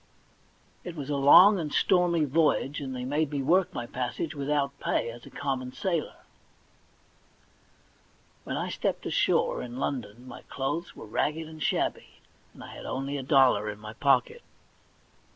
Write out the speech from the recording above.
It was a long and stormy voyage, and they made me w^ork my passage without pay, as a common sailor. When I stepped ashore m London my clothes were ragged and shabby, and I had only a dollar in my pocket.